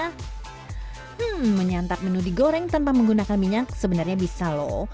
hmm menyantap menu digoreng tanpa menggunakan minyak sebenarnya bisa loh